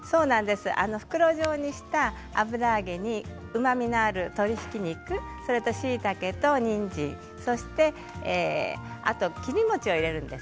袋状にした油揚げにうまみのある鶏ひき肉それと、しいたけとにんじんそして切り餅を入れるんです。